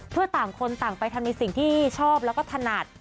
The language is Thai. เพื่อต่างคนต่างไปทำในสิ่งที่ชอบแล้วก็ถนัด